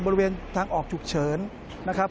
บริเวณทางออกฉุกเฉินนะครับ